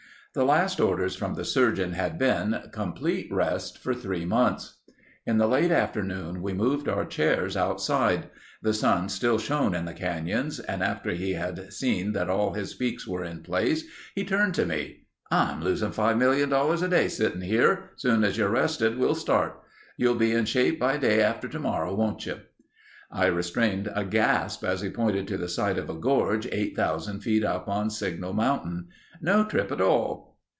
The last orders from the surgeon had been, "Complete rest for three months." In the late afternoon we moved our chairs outside. The sun still shone in the canyons and after he had seen that all his peaks were in place, he turned to me: "I'm losing $5,000,000 a day sitting here. Soon as you're rested, we'll start. You'll be in shape by day after tomorrow, won't you?" I restrained a gasp as he pointed to the side of a gorge 8000 feet up on Signal Mountain. "No trip at all...."